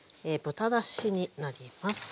豚だしになります。